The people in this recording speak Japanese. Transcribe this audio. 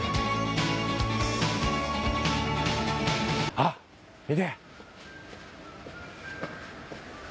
あっ見て。